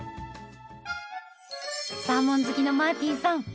サーモン好きのマーティンさん